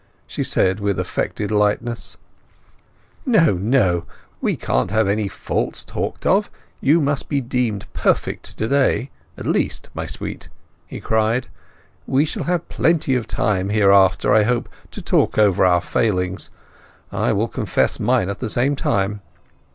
she said with attempted lightness. "No, no—we can't have faults talked of—you must be deemed perfect to day at least, my Sweet!" he cried. "We shall have plenty of time, hereafter, I hope, to talk over our failings. I will confess mine at the same time."